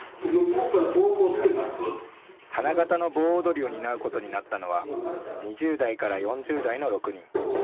花形の棒踊りを担うことになったのは２０代から４０代の６人。